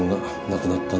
亡くなった！？